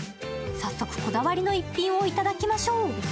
早速こだわりの逸品を頂きましょう。